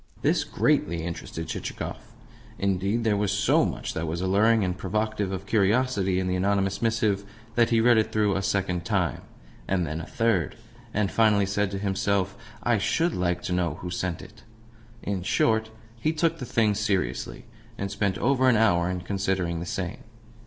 This greatly interested Chichikov. Indeed, there was so much that was alluring and provocative of curiosity in the anonymous missive that he read it through a second time, and then a third, and finally said to himself: "I SHOULD like to know who sent it!" In short, he took the thing seriously, and spent over an hour in considering the same.